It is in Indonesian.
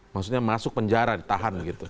maksudnya masuk penjara ditahan